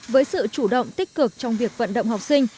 với sự chủ động tích cực trong việc vận động học sinh